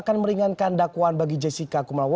sampai jumpa di sampai jumpa